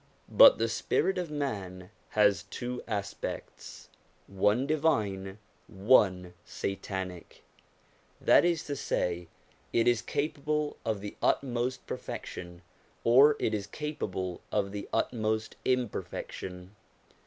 But the spirit of man has two aspects : one divine, THE MANIFESTATIONS OF GOD 165 one satanic ; that is to say, it is capable of the utmost perfection, or it is capable of the utmost imperfection.